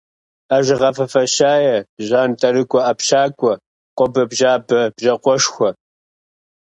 Ажэгъафэ фащае, жьантӏэрыкӏуэ ӏэпщакӏуэ, къуэбэбжьабэ бжьакъуэшхуэ.